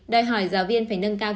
đòi hỏi giáo viên phải nâng cao